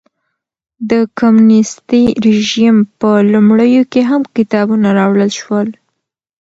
د کمونېستي رژیم په لومړیو کې هم کتابونه راوړل شول.